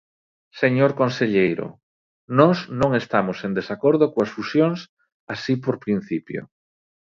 Señor conselleiro, nós non estamos en desacordo coas fusións así por principio.